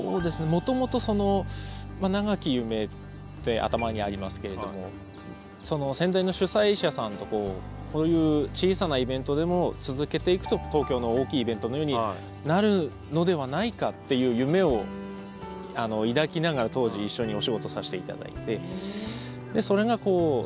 もともとその「永き夢」って頭にありますけれども先代の主催者さんとこういう続けていくと東京の大きいイベントのようになるのではないかっていう夢を抱きながら当時一緒にお仕事させて頂いて。